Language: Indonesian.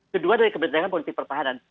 kedua dari kepentingan politik pertahanan